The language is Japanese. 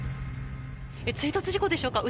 追突事故でしょうか。